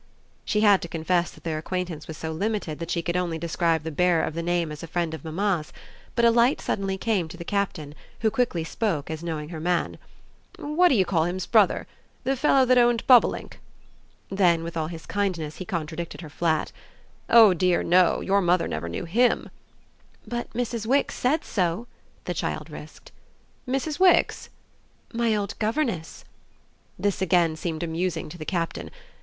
She had to confess that their acquaintance was so limited that she could only describe the bearer of the name as a friend of mamma's; but a light suddenly came to the Captain, who quickly spoke as knowing her man. "What do you call him's brother, the fellow that owned Bobolink?" Then, with all his kindness, he contradicted her flat. "Oh dear no; your mother never knew HIM." "But Mrs. Wix said so," the child risked. "Mrs. Wix?" "My old governess." This again seemed amusing to the Captain.